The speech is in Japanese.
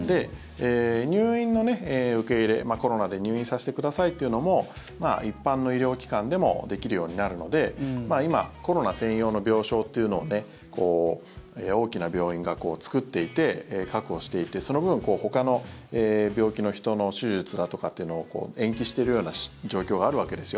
入院の受け入れ、コロナで入院させてくださいっていうのも一般の医療機関でもできるようになるので今、コロナ専用の病床というのを大きな病院が作っていて確保していてその分、ほかの病気の人の手術だとかっていうのを延期しているような状況があるわけですよ。